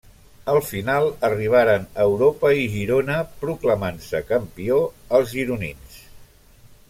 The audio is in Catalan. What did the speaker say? A la final arribaren Europa i Girona proclamant-se campió els gironins.